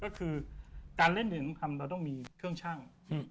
ก็คือการเล่นเหรียญทองคำเราต้องมีเครื่องชั่ง